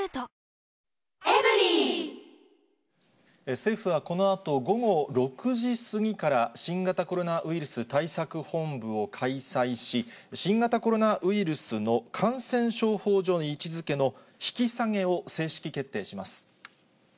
政府はこのあと午後６時過ぎから新型コロナウイルス対策本部を開催し、新型コロナウイルスの感染症法上の位置づけの引き下げを正式決定します。